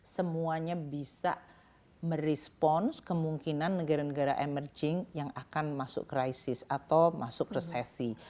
semuanya bisa merespons kemungkinan negara negara emerging yang akan masuk krisis atau masuk resesi